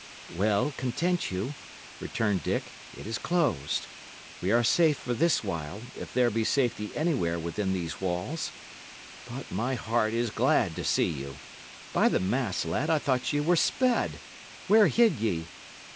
"Well, content you," returned Dick, "it is closed. We are safe for this while, if there be safety anywhere within these walls. But my heart is glad to see you. By the mass, lad, I thought ye were sped! Where hid ye?"